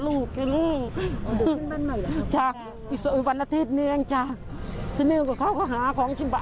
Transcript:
ทุกคนชั่นครัวแล้วนะเพื่อนดูจะมาเสี่ยชีวิตอย่างนี้นะ